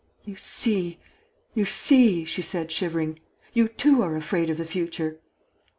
"You see, you see," she said, shivering, "you too are afraid of the future!"